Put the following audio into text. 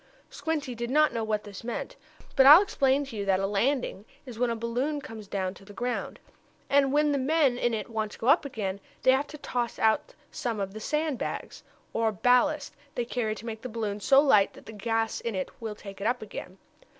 Squinty did not know what this meant. But I'll explain to you that a "landing" is when a balloon comes down to the ground. And when the men in it want to go up again, they have to toss out some of the bags of sand, or ballast, they carry to make the balloon so light that the gas in it will take it up again.